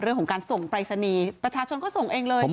เรื่องของการส่งไปสนีประชาชนก็ส่งเองเลย